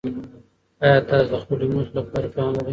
ایا تاسو د خپلې موخې لپاره پلان لرئ؟